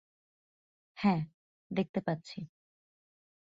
হ্যাঁ, দেখতে পাচ্ছি।